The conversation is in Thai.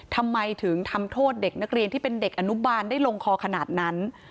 ทำไมถึงทำโทษเด็กนักเรียนที่เป็นเด็กอนุบาลได้ลงคอขนาดนั้น